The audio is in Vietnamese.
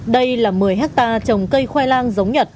đây là một mươi hectare trồng cây khoai lang giống nhật